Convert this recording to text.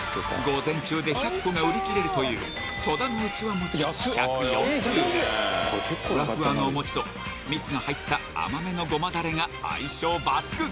午前中で１００個が売り切れるというふわふわのお餅と蜜が入った甘めの胡麻だれが相性抜群